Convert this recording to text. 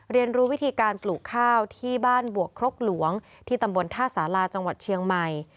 เรียนรู้วิธีการปลูกข้าวที่บ้านบวกครกหลวงที่ตำบลท่าสาราจังหวัดเชียงใหม่